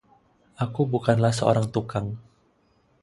Aku bukanlah seorang tukang.